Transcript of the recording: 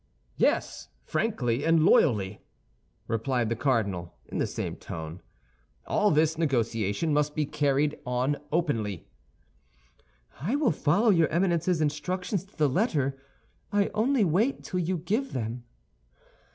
"Yes, frankly and loyally," replied the cardinal, in the same tone. "All this negotiation must be carried on openly." "I will follow your Eminence's instructions to the letter. I only wait till you give them."